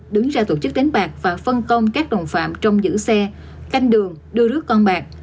đứng ra tổ chức đánh bạc và phân công các đồng phạm trong giữ xe canh đường đưa rước con bạc